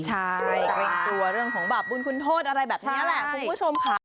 ใช่เกรงกลัวเรื่องของบาปบุญคุณโทษอะไรแบบนี้แหละคุณผู้ชมค่ะ